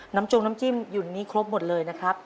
จงน้ำจิ้มอยู่ในนี้ครบหมดเลยนะครับ